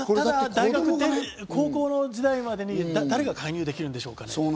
ただ高校時代までに誰が介入できるでしょうか。